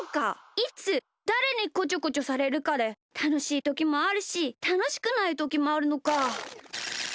いつだれにこちょこちょされるかでたのしいときもあるしたのしくないときもあるのか。